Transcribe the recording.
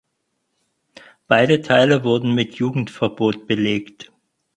Beide Teile wurden mit Jugendverbot belegt.